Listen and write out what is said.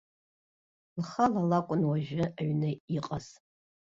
Лхала лакәын уажәы аҩны иҟаз.